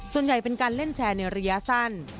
ส่วนใหญ่เป็นการเล่นแชร์ในระยะสั้น